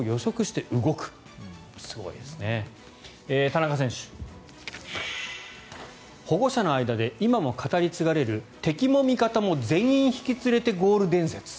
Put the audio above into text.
田中選手保護者の間で今も語り継がれる敵も味方も全員引き連れてゴール伝説。